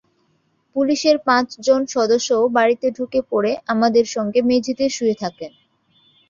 পুলিশের পাঁচজন সদস্যও বাড়িতে ঢুকে পড়ে আমাদের সঙ্গে মেঝেতে শুয়ে থাকেন।